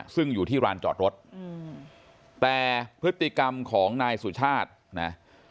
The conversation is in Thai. ซึ่งอยู่ที่ร้านจอดรถแต่พฤติกรรมของนายสุชาตินะ